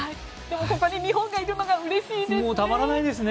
ここに日本がいるのはうれしいですね！